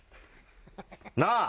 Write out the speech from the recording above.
なあ？